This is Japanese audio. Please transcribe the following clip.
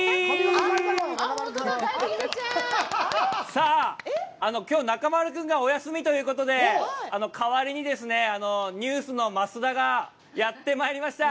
さあ、きょう中丸君がお休みということで、代わりにＮＥＷＳの増田がやってまいりました。